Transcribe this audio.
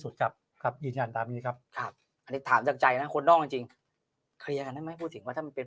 ครับครับยืนยันตามนี้ครับอันนี้ถามจากใจนะคนนอกจริงเคลียร์กันได้ไหมพูดถึงว่าถ้ามันเป็น